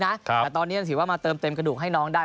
แต่ตอนนี้ถือว่ามาเติมเต็มกระดูกให้น้องได้